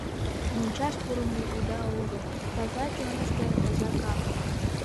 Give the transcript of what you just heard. — Мончаш пурымо уда огыл: таза чонышто таза кап...